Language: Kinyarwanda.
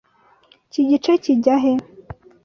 Iki gice kijya he?